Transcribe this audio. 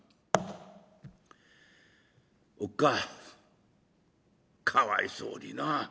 「おっかあかわいそうにな。